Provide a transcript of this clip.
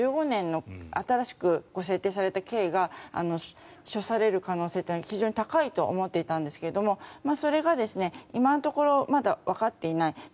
１５年の新しく制定された刑に処される可能性というのは非常に高いと思っていたんですがそれが今のところまだわかっていない。